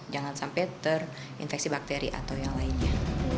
jangan sampai terinfeksi bakteri atau yang lainnya